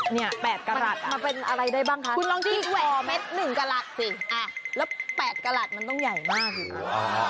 เนี่ยแปดกระหลัดอ่ะมันเป็นอะไรได้บ้างคะคุณลองที่นี่ก่อ๑กระหลัดสิแล้ว๘กระหลัดมันต้องใหญ่มาก